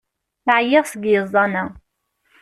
Ɛyiɣ seg yiẓẓan-a!